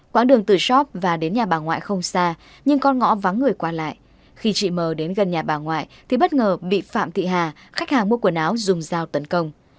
quãng đường từ shop và đến nhà bà ngoại không xa nhưng con ngõ vắng người qua lại khi chị mờ đến gần nhà bà ngoại thì bất ngờ bị phạm thị hà khách hàng mua quần áo dùng dao tấn công